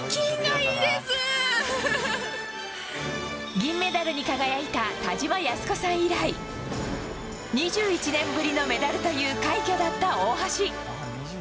銀メダルに輝いた田島寧子さん以来２１年ぶりのメダルという快挙だった大橋。